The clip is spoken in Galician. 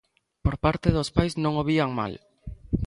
Por parte dos pais non o vían mal.